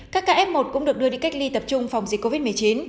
các ca f một cũng được đưa đi cách ly tập trung phòng dịch covid một mươi chín